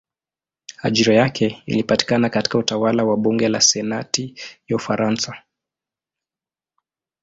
Ajira yake ilipatikana katika utawala wa bunge la senati ya Ufaransa.